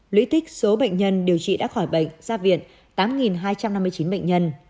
lũy tích số bệnh nhân điều trị đã khỏi bệnh ra viện tám hai trăm năm mươi chín bệnh nhân